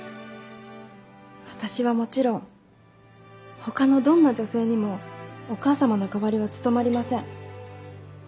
私はもちろんほかのどんな女性にもお母様の代わりは務まりません。